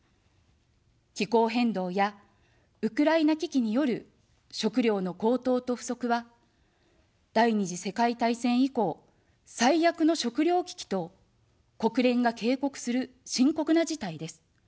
気候変動やウクライナ危機による食糧の高騰と不足は、第二次世界大戦以降、最悪の食糧危機と国連が警告する深刻な事態です。